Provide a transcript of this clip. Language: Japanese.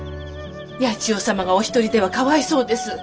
八千代様がお一人ではかわいそうです。